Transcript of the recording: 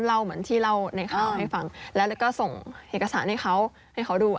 และก็ส่งเหตุการณ์ด้านเดียวให้เขาดู